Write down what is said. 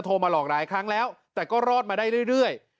มาหลอกหลายครั้งแล้วแต่ก็รอดมาได้เรื่อย